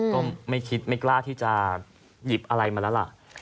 ก็ไม่คิดไม่กล้าที่จะหยิบอะไรมาแล้วล่ะ